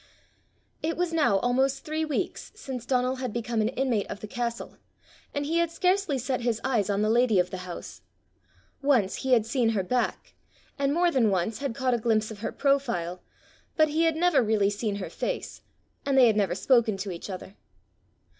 It was now almost three weeks since Donal had become an inmate of the castle, and he had scarcely set his eyes on the lady of the house. Once he had seen her back, and more than once had caught a glimpse of her profile, but he had never really seen her face, and they had never spoken to each other.